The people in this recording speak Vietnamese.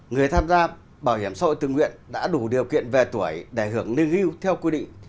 người tham gia bảo hiểm xã hội tự nguyện đã đủ điều kiện về tuổi để hưởng nâng hiu theo quyết định